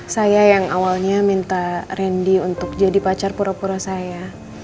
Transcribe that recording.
saya yang awalnya minta randy untuk jadi pacar pura pura saya